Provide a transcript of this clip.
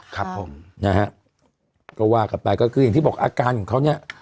ก็วากลับไปก็คือย่างที่บอกอาการของเขาเนี่ย